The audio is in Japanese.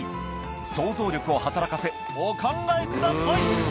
想像力を働かせお考えください